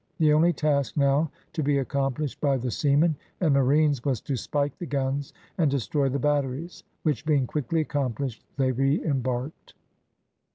The only task now to be accomplished by the seamen and marines was to spike the guns and destroy the batteries, which being quickly accomplished, they re embarked.